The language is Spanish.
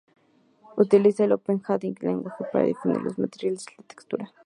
Utiliza el Open Shading Language para definir los materiales y las texturas.